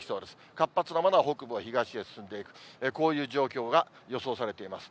活発なものは北部を東へ進んでいくと、こういう状況が予想されています。